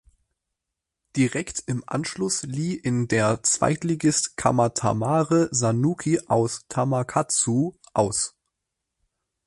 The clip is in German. Direkt im Anschluss lieh in der Zweitligist Kamatamare Sanuki aus Takamatsu aus.